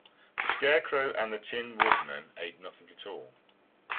The Scarecrow and the Tin Woodman ate nothing at all.